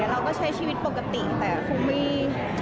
เราก็ใช้ชีวิตปกติแต่คงไม่